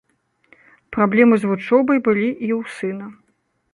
Праблемы з вучобай былі і ў сына.